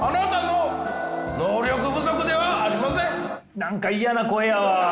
何か嫌な声やわ。